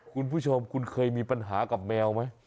คุณผู้ชมคุณเคยมีปัญหากับแมวไหม